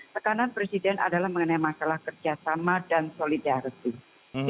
tekanan presiden adalah mengenai masalah kerjasama dan solidaritas